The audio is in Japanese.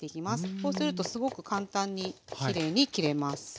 そうするとすごく簡単にきれいに切れます。